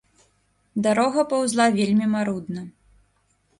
Дарога паўзла вельмі марудна.